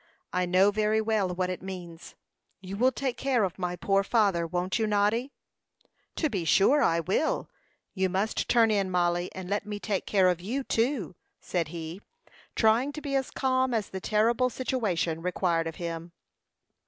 I know very well what it means. You will take care of my poor father won't you, Noddy?" "To be sure I will. You must turn in, Mollie, and let me take care of you, too," said he, trying to be as calm as the terrible situation required of him.